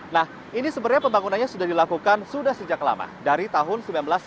nah ini sebenarnya pembangunannya sudah dilakukan sudah sejak lama dari tahun seribu sembilan ratus sembilan puluh